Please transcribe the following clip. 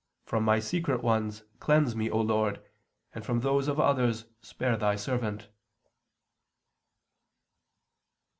From my secret ones cleanse me, O Lord, and from those of others spare Thy servant."